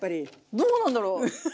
どうなんだろう。